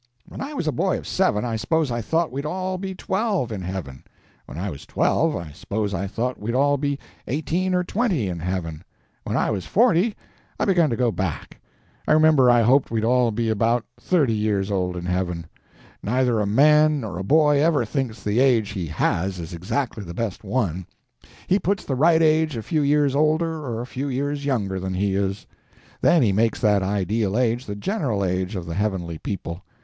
When I was a boy of seven, I suppose I thought we'd all be twelve, in heaven; when I was twelve, I suppose I thought we'd all be eighteen or twenty in heaven; when I was forty, I begun to go back; I remember I hoped we'd all be about thirty years old in heaven. Neither a man nor a boy ever thinks the age he has is exactly the best one—he puts the right age a few years older or a few years younger than he is. Then he makes that ideal age the general age of the heavenly people.